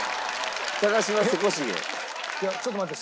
ちょっと待って。